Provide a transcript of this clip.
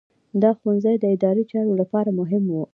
دا ښوونځي د اداري چارو لپاره مهم وو.